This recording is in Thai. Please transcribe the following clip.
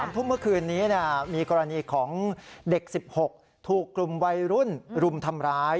ทุ่มเมื่อคืนนี้มีกรณีของเด็ก๑๖ถูกกลุ่มวัยรุ่นรุมทำร้าย